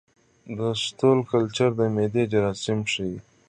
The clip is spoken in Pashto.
د سټول کلچر د معدې جراثیم ښيي.